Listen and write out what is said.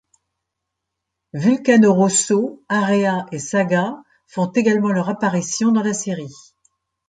Vulcano Rosso, Area et Sagat font également leur apparition dans la série.